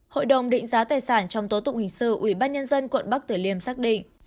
hội đồng định giá tài sản trong tố tụng hình sự ủy ban nhân dân quận bắc tử liêm xác định